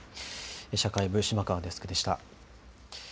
社会部の島川デスクでした。